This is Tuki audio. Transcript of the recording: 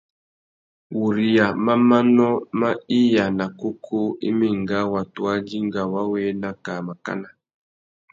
Wuriya má manô mà iya nà kúkú i mà enga watu wa dinga wa wu ena kā màkánà.